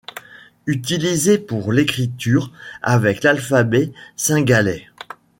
Utilisés pour l’écriture avec l’alphabet singhalais.